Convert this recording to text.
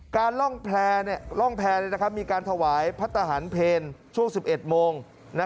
การล่องแพร่มีการถวายพัทธหันเพลช่วง๑๑โมง